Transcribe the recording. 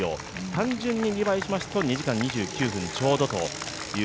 単純に２倍しますと２時間２９分ちょうどという